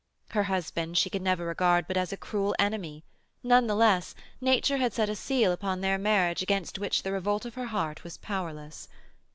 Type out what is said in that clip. Her husband she could never regard but as a cruel enemy; none the less, nature had set a seal upon their marriage against which the revolt of her heart was powerless.